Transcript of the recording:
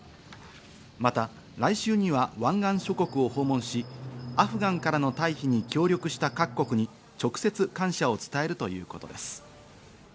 また来週には湾岸諸国を訪問し、アフガンからの退避に協力した各国に直接感謝を伝えるということです。